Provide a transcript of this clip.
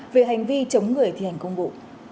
về hành vi chống người thi hành công vụ